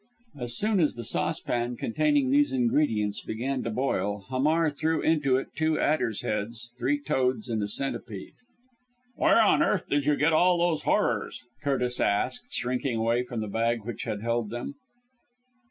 As soon as the saucepan containing these ingredients began to boil Hamar threw into it two adders' heads, three toads and a centipede. "Where on earth did you get all those horrors?" Curtis asked, shrinking away from the bag which had held them.